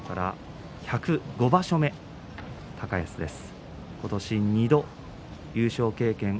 １０５場所目の高安です。